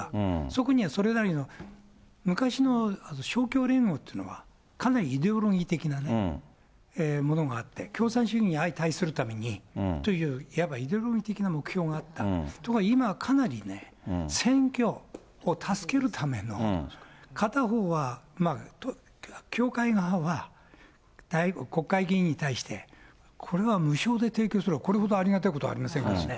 そこにはそれなりの、昔の勝共連合というのはかなりイデオロギー的なものがあって、共産主義に相対するためにといういわばイデオロギー的な目標があった、ところが今、かなりね、選挙を助けるための、片方は教会側は、国会議員に対して、これは無償で提供する、これほどありがたいことはありませんよね。